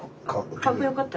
かっこよかった？